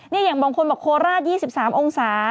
อย่างบางคนบอกโคราช๒๓องศา